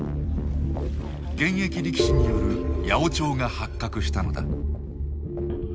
現役力士による八百長が発覚したのだ。